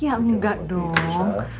ya enggak dong